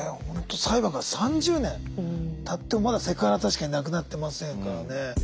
ほんと裁判から３０年たってもまだセクハラ確かになくなってませんからね。